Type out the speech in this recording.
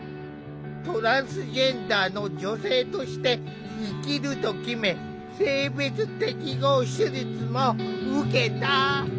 トランスジェンダーの女性として生きると決め性別適合手術も受けた。